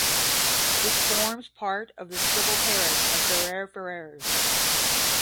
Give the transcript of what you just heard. It forms part of the civil parish of Bere Ferrers.